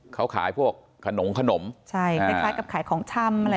เขาขายพวกขนมขนมใช่คล้ายคล้ายกับขายของชำอะไรอย่างเงี้ย